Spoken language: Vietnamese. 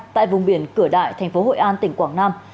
tại vùng biển cửa đại thành phố hội an tỉnh quảng nam